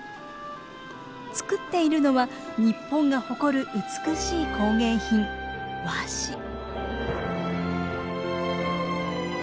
作っているのは日本が誇る美しい工芸品和紙。